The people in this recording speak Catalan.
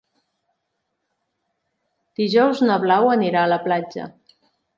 Dijous na Blau anirà a la platja.